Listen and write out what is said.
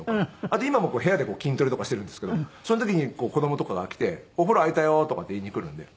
あと今も部屋で筋トレとかしてるんですけどその時に子供とかが来て「お風呂空いたよ」とかって言いに来るんで。